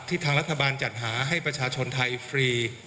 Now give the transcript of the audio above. ทางรัฐบาลจัดหาให้ประชาชนไทยฟรี